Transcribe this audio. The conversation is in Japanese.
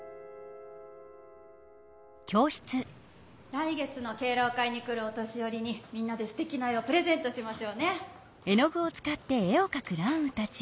来月の敬老会に来るお年よりにみんなですてきな絵をプレゼントしましょうね。